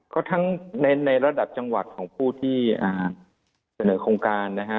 ก็ทั้งในระดับจังหวัดของผู้ที่เสนอโครงการนะฮะ